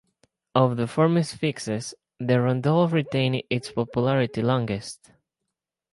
Of the "formes fixes", the rondeau retained its popularity longest.